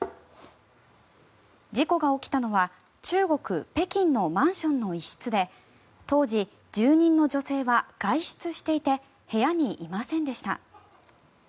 事故が起きたのは中国・北京のマンションの一室で当時、住人の女性は外出していて部屋にいませんでした。